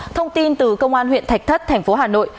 thông tin từ công an huyện thạch thất thành phố hà nội